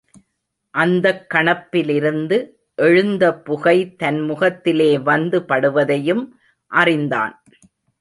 அந்தக் கணப்பிலிருந்து எழுந்த புகை தன் முதத்திலே வந்து படுவதையும் அறிந்தான்.